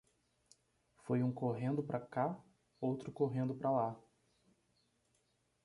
Foi um correndo pra cá, outro correndo pra lá.